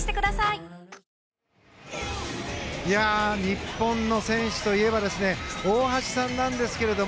日本の選手といえば大橋さんなんですけど